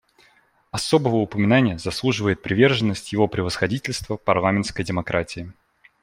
Особого упоминания заслуживает приверженность Его Превосходительства парламентской демократии.